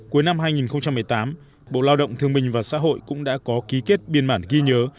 cuối năm hai nghìn một mươi tám bộ lao động thương minh và xã hội cũng đã có ký kết biên bản ghi nhớ